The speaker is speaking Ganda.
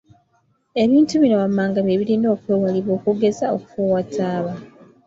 Ebintu bino wammanga bye birina okwewalibwa okugeza; okufuuwa taaba,